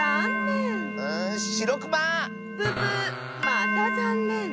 またざんねん。